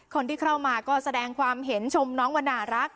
คนที่เข้ามาก็แสดงความเห็นชมน้องวันน่ารัก